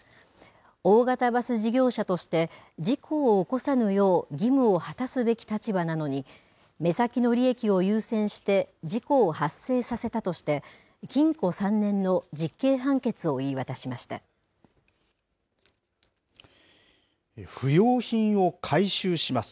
大型バス事業者として事故を起こさないよう義務を果たすべき立場なのに目先の利益を優先して事故を発生させたとして禁錮３年の不用品を回収します。